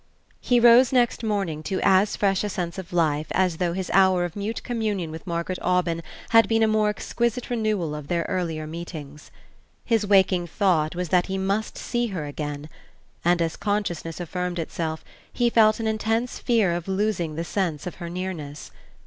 He rose next morning to as fresh a sense of life as though his hour of mute communion with Margaret Aubyn had been a more exquisite renewal of their earlier meetings. His waking thought was that he must see her again; and as consciousness affirmed itself he felt an intense fear of losing the sense of her nearness.